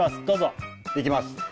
どうぞはいいきます